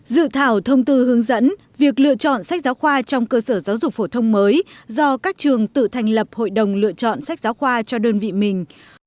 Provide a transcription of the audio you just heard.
dự thảo thông tư hướng dẫn việc lựa chọn sách giáo khoa trong cơ sở giáo dục phổ thông mới do các trường tự thành lập hội đồng lựa chọn sách giáo khoa cho đơn vị mình